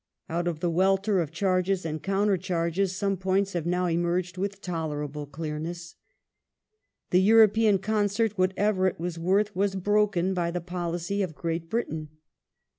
Out J.^^ ^"S" of the welter of charges and countercharges some points have now emmenty emerged with tolerable clearness. The European concert, what ever it was worth, was broken by the policy of Great Britain.